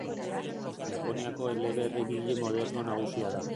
Japoniako eleberrigile moderno nagusia da.